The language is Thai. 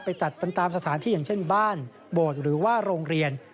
ไปจัดกันตามสถานที่อย่างเช่นบ้านโบสถ์หรือว่าโรงเรียน